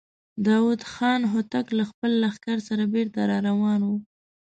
داوود خان هوتک له خپل لښکر سره بېرته را روان و.